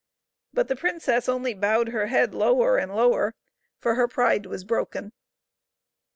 But the princess only bowed her head lower and lower, for her pride was broken.